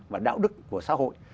và đạo đức của xã hội